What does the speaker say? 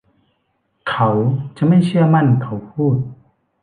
เขาจะไม่เชื่อมั่นเขาพูด